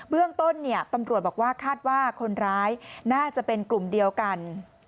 เรื่องต้นตำรวจบอกว่าคาดว่าคนร้ายน่าจะเป็นกลุ่มเดียวกัน